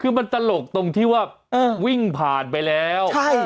คือมันตลกตรงที่ว่าวิ่งผ่านไปแล้ว